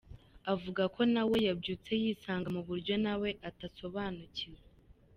Avuga ko nawe yabyutse yisanga mu buryo nawe atasobanukiwe.